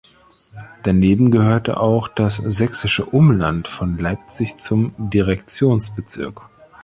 Daneben gehörte auch das sächsische Umland von Leipzig zum Direktionsbezirk.